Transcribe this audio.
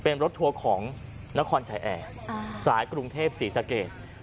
เป็นรถทัวร์ของนครชายแอร์สายกรุงเทพศรีสะเกด